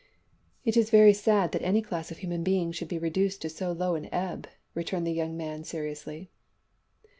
"It is very sad that any class of human beings should be reduced to so low an ebb," returned the young man seriously.